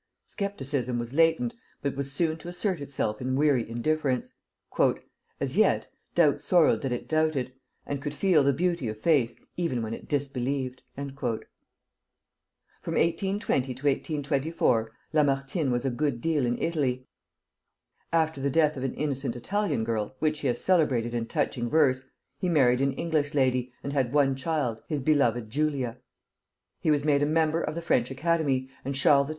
Scepticism was latent, but was soon to assert itself in weary indifference. "As yet, doubt sorrowed that it doubted, and could feel the beauty of faith, even when it disbelieved." From 1820 to 1824 Lamartine was a good deal in Italy; after the death of an innocent Italian girl, which he has celebrated in touching verse, he married an English lady, and had one child, his beloved Julia. He was made a member of the French Academy, and Charles X.